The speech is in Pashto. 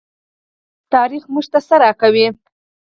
تاریخ موږ ته څه راکوي؟